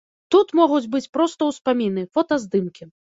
Тут могуць быць проста ўспаміны, фотаздымкі.